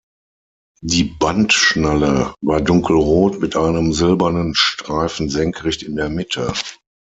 Die Bandschnalle war dunkelrot mit einem silbernen Streifen senkrecht in der Mitte.